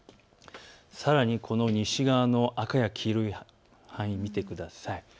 さらに、この西側の赤や黄色の範囲を見てください。